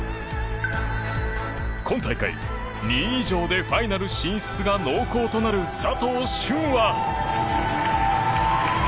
今大会、２位以上でファイナル進出が濃厚となる佐藤駿は。